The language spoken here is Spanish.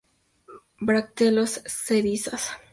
Bracteolas caedizas.